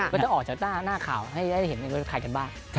ก็จะออกจากหน้าข่าวให้เห็นเป็นคนไทยกันบ้าง